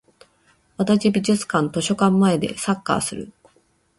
足立美術館図書館前でサッカーする